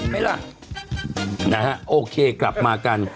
ไหมล่ะนะฮะโอเคกลับมากัน